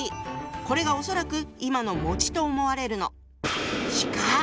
これが恐らく今の「」と思われるの。